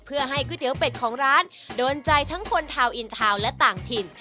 เพื่อให้ก๋วยเตี๋ยเป็ดของร้านโดนใจทั้งคนทาวนอินทาวน์และต่างถิ่น